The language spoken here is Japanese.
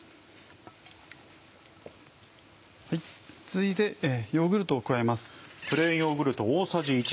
続いてヨーグルトを加えます。